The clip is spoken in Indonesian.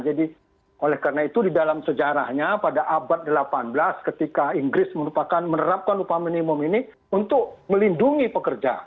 jadi oleh karena itu di dalam sejarahnya pada abad delapan belas ketika inggris merupakan menerapkan upah minimum ini untuk melindungi pekerja